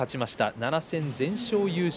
７戦全勝優勝。